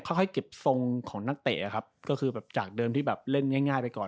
ค่อยเก็บทรงของนักเตะครับก็คือแบบจากเดิมที่แบบเล่นง่ายไปก่อน